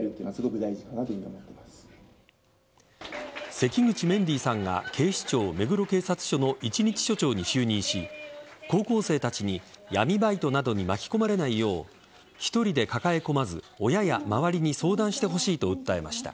関口メンディーさんが警視庁目黒警察署の一日署長に就任し高校生たちに闇バイトなどに巻き込まれないよう１人で抱え込まず親や周りに相談してほしいと訴えました。